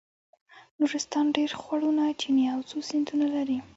نورستان ډېر خوړونه چینې او څو سیندونه لري.